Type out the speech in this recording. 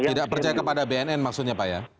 tidak percaya kepada bnn maksudnya pak ya